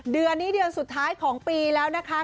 เดือนนี้เดือนสุดท้ายของปีแล้วนะคะ